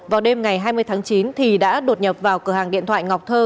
vào đêm ngày hai mươi tháng chín thì đã đột nhập vào cửa hàng điện thoại ngọc thơ